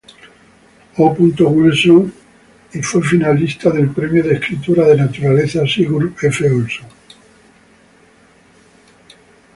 O. Wilson, y fue finalista del premio de escritura de naturaleza Sigurd F. Olson.